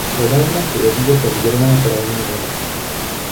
Vodárna se jeví jako mírná terénní vlna.